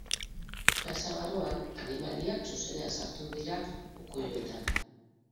Plaza barruan, animaliak zuzenean sartu dira ukuiluetan.